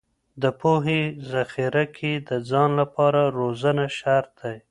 د پوهې ذخیره کې د ځان لپاره روزنه شرط دی.